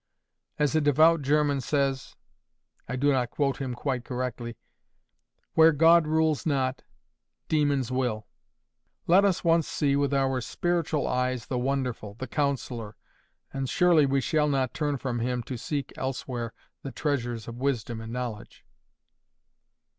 As a devout German says—I do not quote him quite correctly—"Where God rules not, demons will." Let us once see with our spiritual eyes the Wonderful, the Counsellor, and surely we shall not turn from Him to seek elsewhere the treasures of wisdom and knowledge.